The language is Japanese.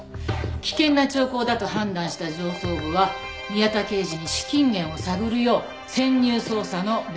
危険な兆候だと判断した上層部は宮田刑事に資金源を探るよう潜入捜査の命を下したらしい。